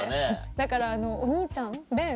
だからお兄ちゃん勉。